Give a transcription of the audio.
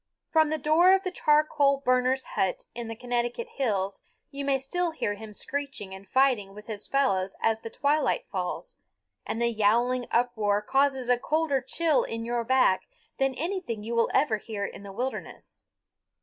From the door of the charcoal burner's hut in the Connecticut hills you may still hear him screeching and fighting with his fellows as the twilight falls, and the yowling uproar causes a colder chill in your back than anything you will ever hear in the wilderness.